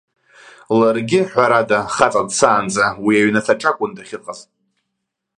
Ларгьы, ҳәарада, хаҵа дцаанӡа, уи аҩнаҭаҿы акәын дахьыҟаз.